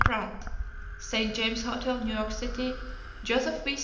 Pratt, St. James Hotel, New York City; Joseph W.